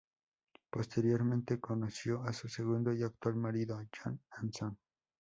Posteriormente conoció a su segundo y actual marido, John Anson.